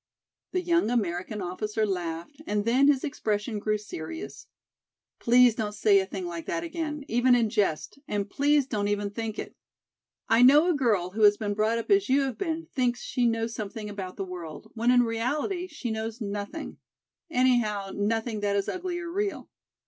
The young American officer laughed and then his expression grew serious. "Please don't say a thing like that again, even in jest and please don't even think it. I know a girl who has been brought up as you have been thinks she knows something about the world, when in reality she knows nothing, anyhow, nothing that is ugly or real.